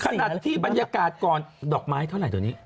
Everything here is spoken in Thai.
ขนาดที่บรรยากาศก่อนดอกไม้เท่าไหร่เดี๋ยวนี้